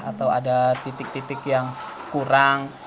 atau ada titik titik yang kurang